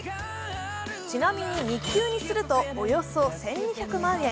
ちなみに日給にするとおよそ１２００万円。